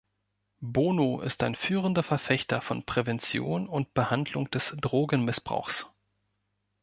Bono ist ein führender Verfechter von Prävention und Behandlung des Drogenmissbrauchs.